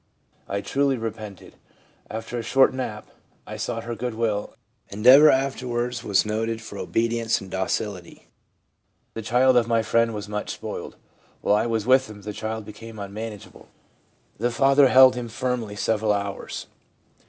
I truly repented. After a short nap, I sought her good will, and ever afterward was noted for obedience and docility/ ' The child of my friend was much spoiled. While I was with him, the child became unmanageable. The father held him firmly several hours.